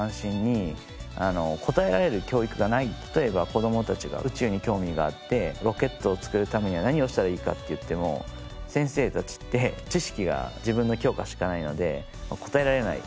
例えば子どもたちが宇宙に興味があってロケットを作るためには何をしたらいいかっていっても先生たちって知識が自分の教科しかないので答えられない。